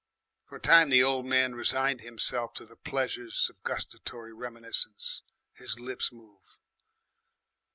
For a time the old man resigned himself to the pleasures of gustatory reminiscence. His lips moved.